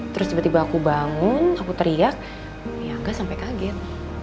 terus tiba tiba aku bangun aku teriak ya enggak sampai kaget